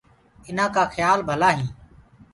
اُنآ ڪآ کيِآ ڀلآ هينٚ۔